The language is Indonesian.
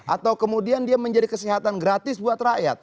atau kemudian dia menjadi kesehatan gratis buat rakyat